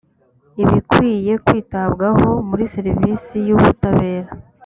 ibikwiye kwitabwaho muri serivisi y ubutabera